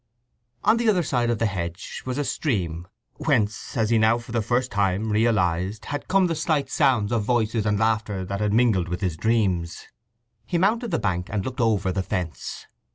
On the other side of the hedge was a stream, whence, as he now for the first time realized, had come the slight sounds of voices and laughter that had mingled with his dreams. He mounted the bank and looked over the fence.